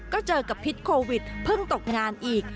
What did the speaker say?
ก็เจอกับพิษโควิดเพิ่งตกงานอีก